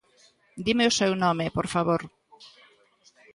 Dime o seu nome, por favor.